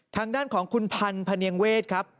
ทางด้านของคุณพันธ์พะเนียงเวทครับ